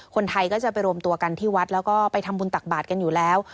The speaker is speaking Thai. คนไทยก็จะไปรวมตัวกันที่วัดแล้วก็ไปทำบุญตักบาทกันอยู่แล้ว